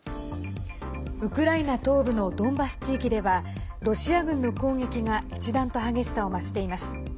ウクライナ東部のドンバス地域ではロシア軍の攻撃が一段と激しさを増しています。